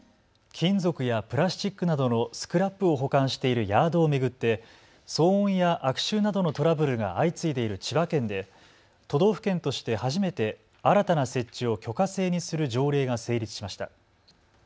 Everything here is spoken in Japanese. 金属やプラスチックなどのスクラップを保管しているヤードを巡って騒音や悪臭などのトラブルが相次いでいる千葉県で都道府県として初めて新たな設置を許可制にする条例が成立しました。